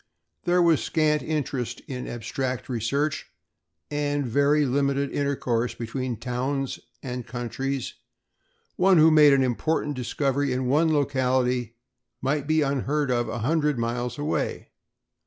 There was scant interest in abstract research and very limited intercourse between towns and countries; one who made an important discovery in one locality might be unheard of a hundred miles away.